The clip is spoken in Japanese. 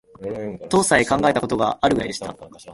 とさえ考えた事があるくらいでした